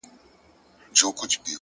ارام ذهن غوره پرېکړې کوي,